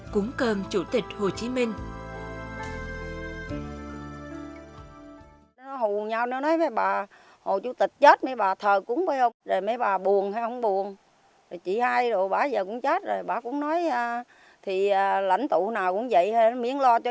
cúng cơm chủ tịch hồ chí minh